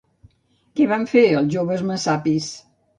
Què van fer els joves messapis?